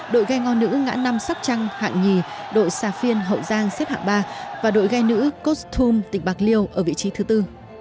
đội gây ngon nữ ngã năm sóc trăng hạng hai đội xà phiên hậu giang xếp hạng ba và đội gây nữ kostum tỉnh bạc liêu ở vị trí thứ tư